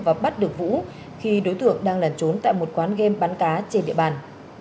và bắt được vũ khi đối tượng đang lẩn trốn tại một quán game bắn cá trên địa bàn